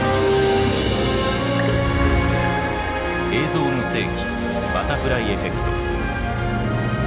「映像の世紀バタフライエフェクト」。